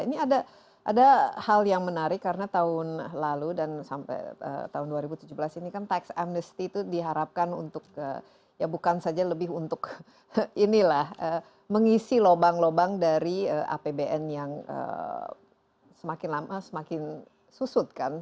ini ada hal yang menarik karena tahun lalu dan sampai tahun dua ribu tujuh belas ini kan tax amnesty itu diharapkan untuk ya bukan saja lebih untuk inilah mengisi lubang lubang dari apbn yang semakin lama semakin susut kan